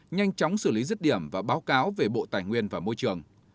nhanh chóng xử lý rứt điểm và báo cáo về bộ tài nguyên và môi trường